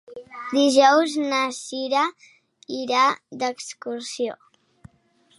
Dijous na Cira irà d'excursió.